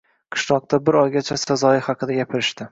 Qishloqda bir oygacha sazoyi haqida gapirishdi.